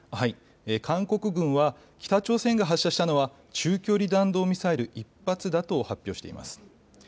韓国軍は北朝鮮が発射したのは中距離弾道ミサイル１発だと発表しています。